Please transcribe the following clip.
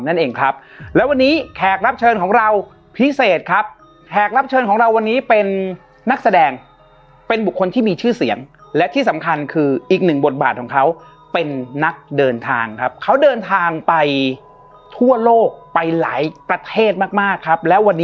นั่นเองครับแล้ววันนี้แขกรับเชิญของเราพิเศษครับแขกรับ